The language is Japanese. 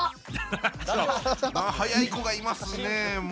早い子がいますね。